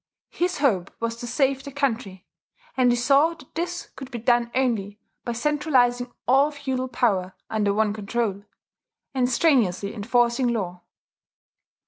His hope was to save the country; and he saw that this could be done only by centralizing all feudal power under one control, and strenuously enforcing law.